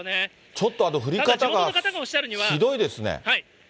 ちょっと降り方がひどいですね。